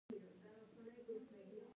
کروندګرو لږ عواید ترلاسه کول.